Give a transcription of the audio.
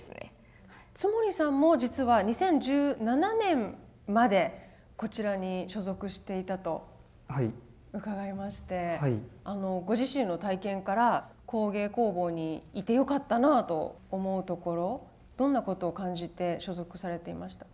津守さんも実は２０１７年までこちらに所属していたと伺いましてご自身の体験から工芸工房にいてよかったなあと思うところどんなことを感じて所属されていましたか？